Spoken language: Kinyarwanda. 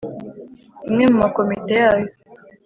imwe mu makomite yayo.